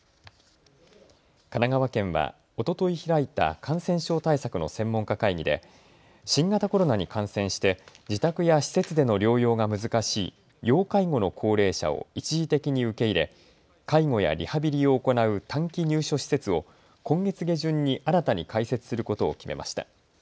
神奈川県はおととい開いた感染症対策の専門家会議で新型コロナに感染して自宅や施設での療養が難しい要介護の高齢者を一時的に受け入れ、介護やリハビリを行う短期入所施設を今月下旬に新たに開設することを決めました。